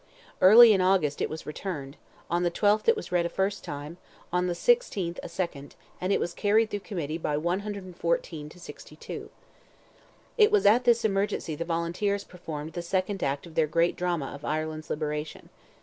Early in August it was returned; on the 12th it was read a first time; on the 16th, a second; and it was carried through Committee by 114 to 62. It was at this emergency the Volunteers performed the second act of their great drama of Ireland's liberation.